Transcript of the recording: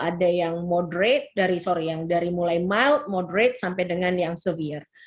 ada yang moderate dari sorry yang dari mulai mild moderate sampai dengan yang severe